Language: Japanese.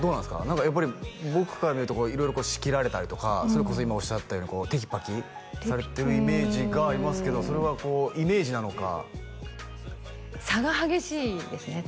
何かやっぱり僕から見ると色々仕切られたりとかそれこそ今おっしゃったようにテキパキされてるイメージがありますけどそれはイメージなのか差が激しいですね